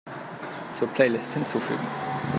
Zur Playlist hinzufügen.